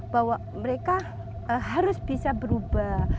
bahwa mereka harus bisa berubah